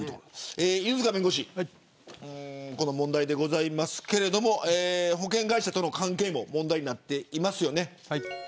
犬塚弁護士、この問題ですが保険会社との関係も問題になっていますよね。